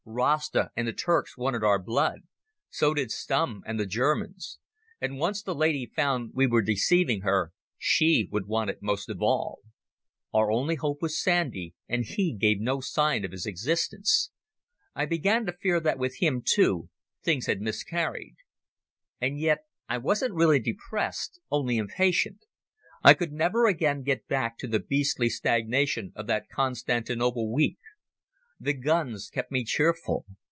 Rasta and the Turks wanted our blood: so did Stumm and the Germans; and once the lady found we were deceiving her she would want it most of all. Our only hope was Sandy, and he gave no sign of his existence. I began to fear that with him, too, things had miscarried. And yet I wasn't really depressed, only impatient. I could never again get back to the beastly stagnation of that Constantinople week. The guns kept me cheerful.